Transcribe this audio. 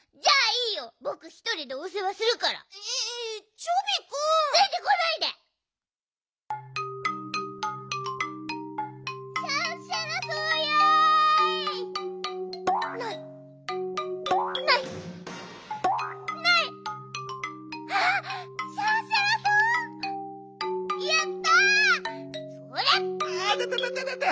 あいたたたたた。